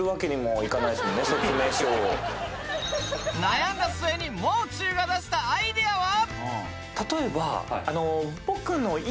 悩んだ末にもう中が出したアイデアは。